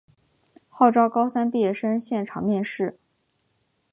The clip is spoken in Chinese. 号召高三毕业生现场面试